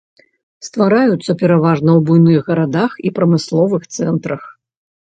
Ствараюцца пераважна ў буйных гарадах і прамысловых цэнтрах.